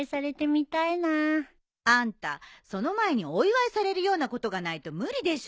あんたその前にお祝いされるようなことがないと無理でしょ。